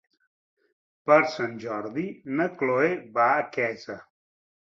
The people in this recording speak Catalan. Per Sant Jordi na Chloé va a Quesa.